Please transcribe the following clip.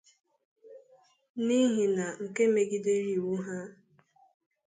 n'ihi na nke megidere iwu ha